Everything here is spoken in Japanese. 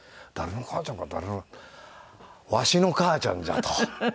「わしの母ちゃんじゃ」と。